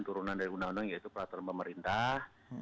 turunan dari undang undang yaitu peraturan pemerintah